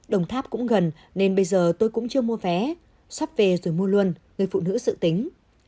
đồng tháp cũng gần nên bây giờ tôi cũng chưa mua vé sắp về rồi mua luôn người phụ nữ dự tính